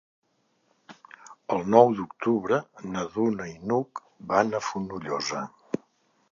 El nou d'octubre na Duna i n'Hug van a Fonollosa.